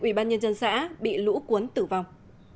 ủy ban nhân dân xã bị lũ cuốn tử vong